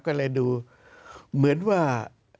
ก็เลยดูเหมือนว่า